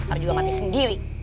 nanti juga mati sendiri